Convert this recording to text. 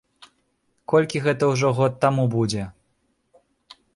Колькі гэта ўжо год таму будзе?